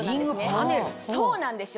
そうなんですよ。